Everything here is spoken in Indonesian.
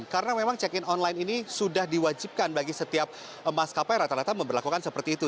karena memang check in online ini sudah diwajibkan bagi setiap emas kapal yang rata rata memperlakukan seperti itu